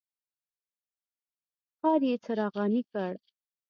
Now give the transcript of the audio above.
ښار یې څراغاني کړ.